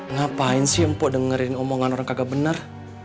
ngapain sih mpok dengerin omongan orang kagak benar